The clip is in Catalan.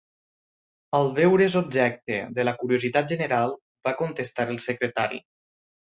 Al veure's objecte de la curiositat general, va contestar el Secretari: